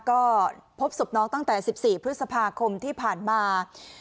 ก็พบศพน้องตั้งแต่๑๔พฤษภาคมที่ผ่านมา